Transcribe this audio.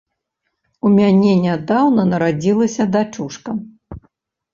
У мяне нядаўна нарадзілася дачушка.